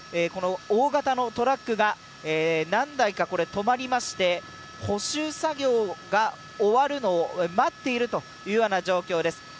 この大型のトラックが何台か止まりまして補修作業が終わるのを待っているというような状況です。